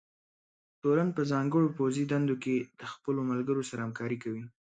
تورن په ځانګړو پوځي دندو کې د خپلو ملګرو سره همکارۍ کوي.